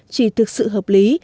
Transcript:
chỉ thực sự hợp lý